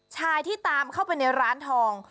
ชายที่ตามเข้าไปในร้านทอง